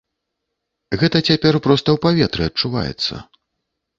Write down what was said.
Гэта цяпер проста ў паветры адчуваецца.